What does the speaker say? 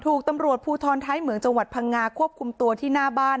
ถูกตำรวจภูทรท้ายเหมืองจังหวัดพังงาควบคุมตัวที่หน้าบ้าน